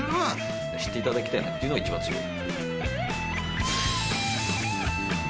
知っていただきたいなっていうのは一番強い。